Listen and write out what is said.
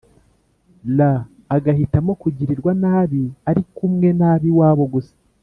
r agahitamo kugirirwa nabi ari kumwe nabiwabo gusa.